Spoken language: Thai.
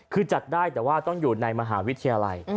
คือจัดได้แต่ว่าต้องอยู่ในมหาวิทยาลัย